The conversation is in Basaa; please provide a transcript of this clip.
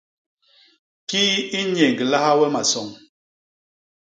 Kii i nnyéñglaha we masoñ.